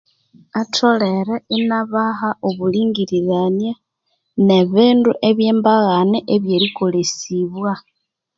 Atholere inabaha obulingirirania nebindu ebye mbaghani ebyerikolesibwa.